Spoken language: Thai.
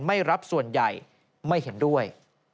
ไม่รับส่วนใหญ่ไม่เห็นด้วย